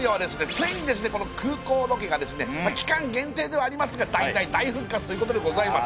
ついに空港ロケが期間限定ではありますが大大大復活ということでございます。